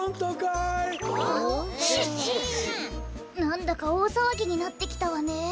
なんだかおおさわぎになってきたわね。